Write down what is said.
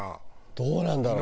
どうなんだろう？